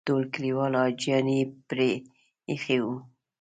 ټول کلیوال حاجیان یې پرې ایښي وو.